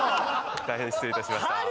大変失礼いたしました。